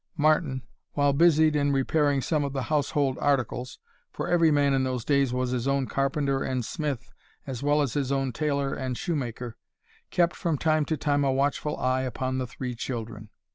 Martin, while busied in repairing some of the household articles, (for every man in those days was his own carpenter and smith, as well as his own tailor and shoemaker,) kept from time to time a watchful eye upon the three children.